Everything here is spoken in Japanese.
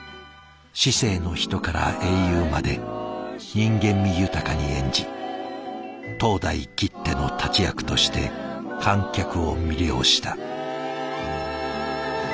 市井の人から英雄まで人間味豊かに演じ当代きっての立役として観客を魅了した。